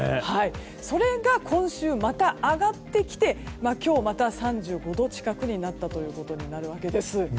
それが今週、また上がってきて今日また３５度近くになったということになるわけです。